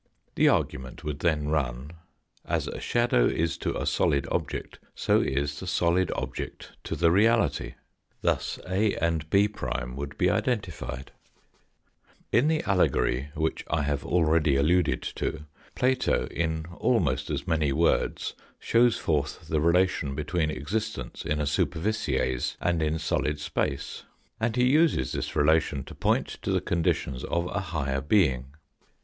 The argu ment would then run, as a shadow is to a solid object, so is the solid object to the reality. Thus A and B' would be identified. THE FIRST CHAPTER IN THE HISTORY OF FOUR SPACE 35 In the allegory which I have already alluded to, Plato in almost as many words shows forth the relation between existence in a superficies and in solid space. And he uses this relation to point to the conditions of a higher being.